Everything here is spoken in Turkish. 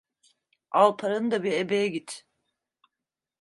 Al paranı da bir ebeye git!